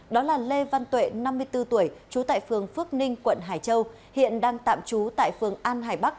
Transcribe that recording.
đó là lê văn tuệ năm mươi bốn tuổi trú tại phường phước ninh quận hải châu hiện đang tạm trú tại phường an hải bắc